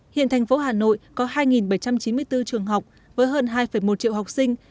hiện thành phố hà nội có hai bảy trăm chín mươi bốn trường học với hơn hai một triệu học sinh